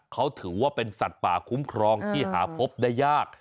เขาถือว่าเป็นสัตว์ป่าคุ้มครองที่หาพบได้ยาก